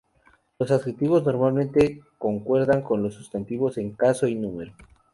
Los adjetivos normalmente concuerdan con los sustantivos en caso y número.